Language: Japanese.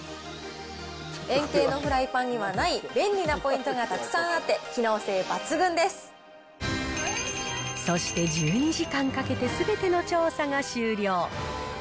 円形のフライパンにはない便利なポイントがたくさんあって、そして１２時間かけて、すべての調査が終了。